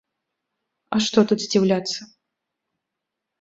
А што тут здзіўляцца?